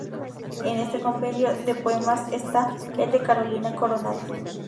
En este compendio de poemas está el de Carolina Coronado.